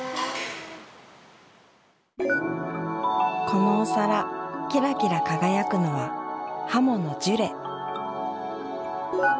このお皿キラキラ輝くのは鱧のジュレ！